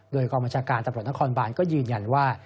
โดยกรมชาการตรับหลบนักคอนบาร์นก็ยืนยันว่า